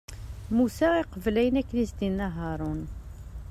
Musa, iqbel ayen akken i s-d-inna Haṛun.